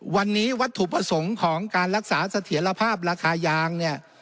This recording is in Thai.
วันนี้วัตถุประสงค์ของการรักษาเสถียรภาพราคายางเนี่ย